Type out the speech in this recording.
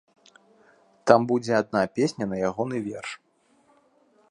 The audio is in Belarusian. Там будзе адна песня на ягоны верш.